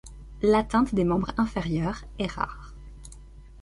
L'atteinte des membres inférieurs est rare.